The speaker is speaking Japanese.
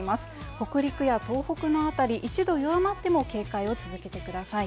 北陸や東北の辺り、一度弱まっても警戒を続けてください。